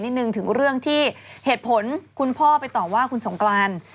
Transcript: หนึ่งถึงเรื่องที่เหตุผลคุณพ่อไปต่อว่าคุณสงกราน